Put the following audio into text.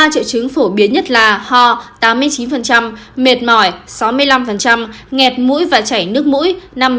ba triệu chứng phổ biến nhất là ho tám mươi chín mệt mỏi sáu mươi năm nghẹt mũi và chảy nước mũi năm mươi chín